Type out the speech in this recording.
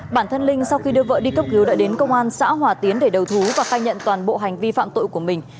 bản thân linh sau khi đưa vợ đi cấp cứu đã đến công an xã hòa tiến để đầu thú và khai nhận toàn bộ hành vi phạm tội của mình